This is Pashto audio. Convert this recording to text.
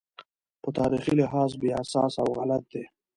په تاریخي لحاظ بې اساسه او غلط دی.